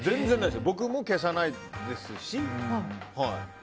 僕も消さないですし。